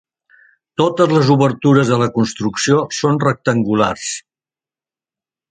Totes les obertures de la construcció són rectangulars.